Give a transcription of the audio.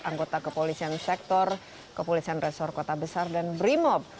anggota kepolisian sektor kepolisian resor kota besar dan brimob